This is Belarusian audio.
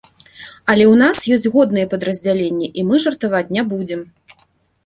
Але ў нас ёсць годныя падраздзяленні, і мы жартаваць не будзем.